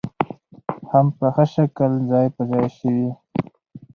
هم په ښه شکل ځاى په ځاى شوې